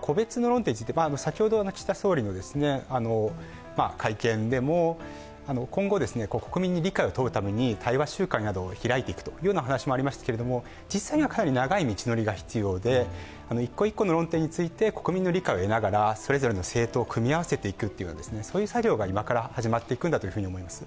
個別の論点について、先ほど岸田総理の会見でも今後、国民に理解を問うために対話集会などを開いていくという話もありましたけれども実際にはかなり長い道のりが必要で、一個一個の論点について国民の理解を得ながらそれぞれの政党を組み合わせていくという作業が今から始まっていくんだと思います。